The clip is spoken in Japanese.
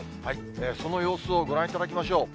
その様子をご覧いただきましょう。